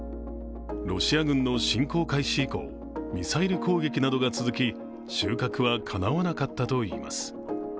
ロシア軍の侵攻開始以降、ミサイル攻撃などが続き、収穫はかなわなかったといいます。